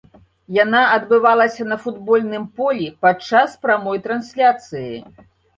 Яна адбывалася на футбольным полі падчас прамой трансляцыі.